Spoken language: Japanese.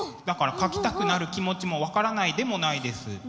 だから描きたくなる気持ちも分からないでもないです。